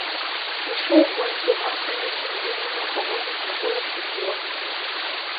Ішоў бойкі гандаль усімі відамі алкагольных напояў і півам.